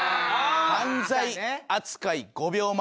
犯罪扱い５秒前」